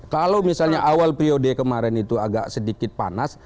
kalau misalnya awal periode kemarin itu agak sedikit panas